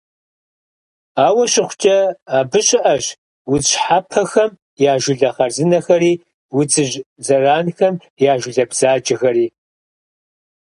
Ауэ щыхъукӀэ, абы щыӀэщ удз щхьэпэхэм я жылэ хъарзынэхэри удзыжь зэранхэм я жылэ бзаджэхэри.